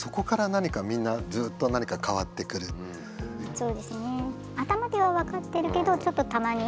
そうですね。